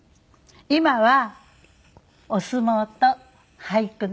今はお相撲と俳句ね。